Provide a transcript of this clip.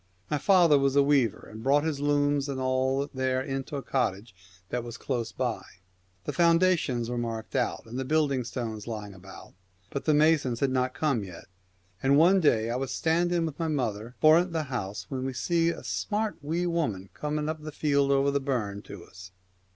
My father was a weaver, and brought his looms and all there into a cottage that was close by. The foundations were marked out, and the building stones lying about, but the masons had not come yet ; and one day I was standing with my mother foment the house, when we sees a smart wee woman coming up the field over the burn 199 The to us.